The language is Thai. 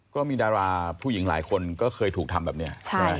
ก็มีดาราผู้หญิงหลายคนก็เคยถูกทำแบบนี้ใช่ไหม